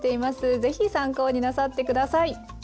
是非参考になさって下さい。